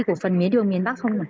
của phần mía đường miền bắc không ạ